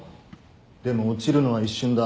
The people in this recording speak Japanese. でも落ちるのは一瞬だ。